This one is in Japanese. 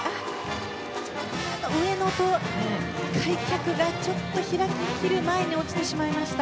上の開脚がちょっと開ききる前に落ちてしまいました。